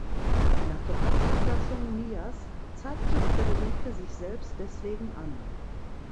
Nach der Haftentlassung Mias zeigte Frederike sich selbst deswegen an.